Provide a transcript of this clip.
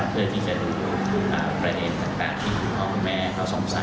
เพื่อที่จะดูประเด็นต่างที่คุณพ่อคุณแม่เขาสงสัย